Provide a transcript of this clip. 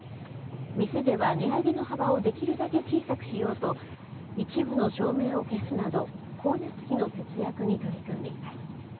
店では値上げの幅をできるだけ小さくしようと、一部の照明を消すなど、光熱費の節約に取り組んでいます。